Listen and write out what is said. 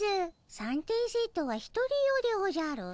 三点セットは１人用でおじゃる。